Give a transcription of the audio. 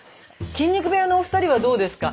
筋肉部屋のお二人はどうですか？